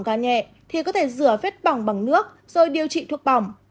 nếu có vết bỏng ca nhẹ thì có thể rửa vết bỏng bằng nước rồi điều trị thuốc bỏng